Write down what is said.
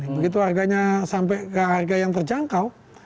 begitu harganya sampai ke harga yang terjangkau